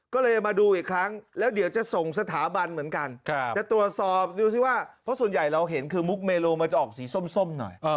ก็เลยมาดูอีกครั้งแล้วเดี๋ยวจะส่งสถาบันเหมือนกันจะตรวจสอบดูสิว่าเพราะส่วนใหญ่เราเห็นคือมุกเมโลมันจะออกสีส้มหน่อย